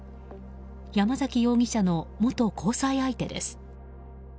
山崎容疑者の元交際相手です。